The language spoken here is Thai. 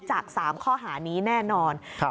จาก๓ข้อหานี้แน่นอน